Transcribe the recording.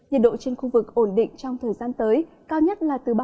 nhiệt độ trên khu vực ổn định trong thời gian tới cao nhất là từ ba mươi đến ba mươi ba độ